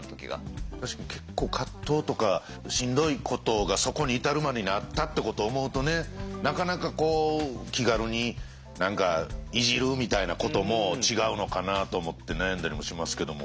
確かに結構葛藤とかしんどいことがそこに至るまでにあったってことを思うとねなかなかこう気軽に何かいじるみたいなことも違うのかなと思って悩んだりもしますけども。